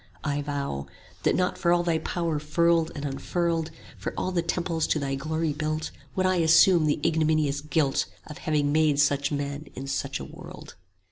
I vow "That not for all Thy power furled and unfurled, For all the temples to Thy glory built, 30 Would I assume the ignominious guilt Of having made such men in such a world."